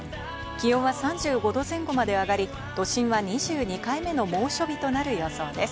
気温は３５度前後まで上がり、都心は２２回目の猛暑日となる予想です。